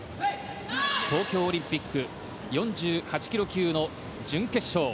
東京オリンピック４８ｋｇ級の準決勝。